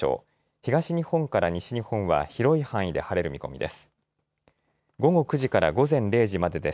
東日本から西日本は広い範囲で晴れる見込みです。